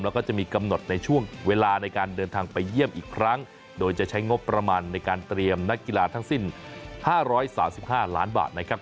แล้วก็จะมีกำหนดในช่วงเวลาในการเดินทางไปเยี่ยมอีกครั้งโดยจะใช้งบประมาณในการเตรียมนักกีฬาทั้งสิ้น๕๓๕ล้านบาทนะครับ